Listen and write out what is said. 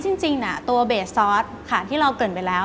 อันนี้จริงตัวเบสซอสค่ะที่เราเกริ่นไปแล้ว